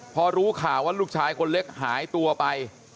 พอรู้ข่าวว่าลูกชายคนเล็กหายตัวไป